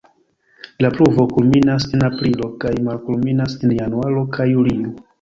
La pluvo kulminas en aprilo kaj malkulminas en januaro kaj julio.